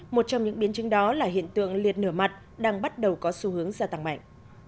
một trong những biến chứng đó là hiện tượng liệt nửa mặt đang bắt đầu có xu hướng gia tăng mạnh